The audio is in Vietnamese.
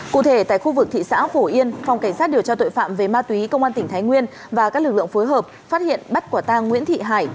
cụ thể tại khu vực thị xã phổ yên phòng cảnh sát điều tra tội phạm về ma túy công an tỉnh thái nguyên và các lực lượng phối hợp phát hiện bắt quả tang nguyễn thị hải